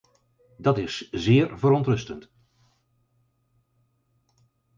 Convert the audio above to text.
Dat is zeer verontrustend.